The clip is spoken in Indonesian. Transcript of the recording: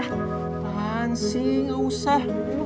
tahan sih gak usah